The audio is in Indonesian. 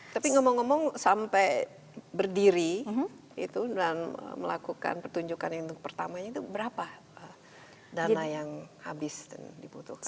tapi ngomong ngomong sampai berdiri itu dan melakukan pertunjukan yang untuk pertamanya itu berapa dana yang habis dan dibutuhkan